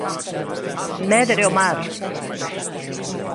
Medre o mar!